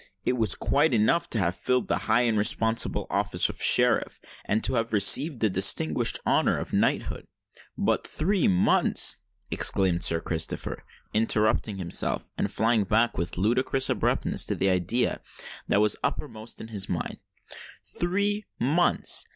It was quite enough to have filled the high and responsible office of Sheriff, and to have received the distinguished honour of knighthood——But, three months!" exclaimed Sir Christopher, interrupting himself, and flying back with ludicrous abruptness to the idea that was uppermost in his mind; "three months!